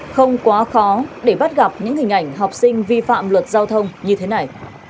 không quá khó để bắt gặp những hình ảnh học sinh vi phạm luật giao thông như thế này